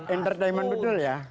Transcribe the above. entertainment betul ya